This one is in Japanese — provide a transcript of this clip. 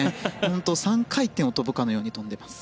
本当に３回転を跳ぶかのように跳んでいます。